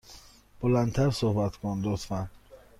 بلند تر صحبت کن، لطفا.